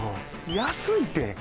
安いって！